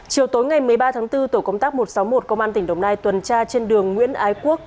chiều tối ngày một mươi ba tháng bốn tổ công tác một trăm sáu mươi một công an tỉnh đồng nai tuần tra trên đường nguyễn ái quốc